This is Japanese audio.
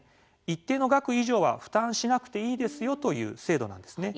一定の額以上は負担しなくていいですよという制度なんですね。